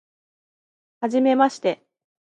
はじめまして